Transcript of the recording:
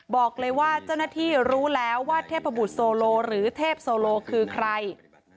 บอกเลยว่าเจ้าหน้าที่รู้แล้วว่าเทพบุตรโซโลหรือเทพโซโลคือใคร